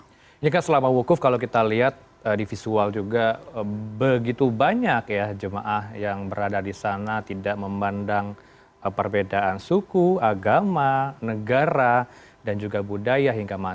ini kan selama wukuf kalau kita lihat di visual juga begitu banyak ya jemaah yang berada di sana tidak memandang perbedaan suku agama negara dan juga budaya hingga masyarakat